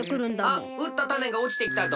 あっうったタネがおちてきたど。